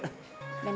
masih banyak cek